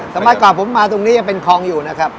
ด้วยเมื่อก่อนผมมาตรงนี้ปรับเป็นคองอยู่นะครับ